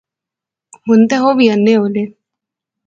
ہُن تے اوہ وی انے ہولے